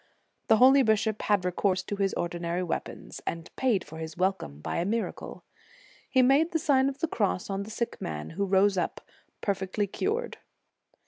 The holy bishop had re course to his ordinary weapons, and paid for his welcome by a miracle. He made the Sign of the Cross on the sick man, who rose up, perfectly cured.